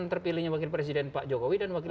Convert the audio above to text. terpilihnya wakil presiden pak jokowi dan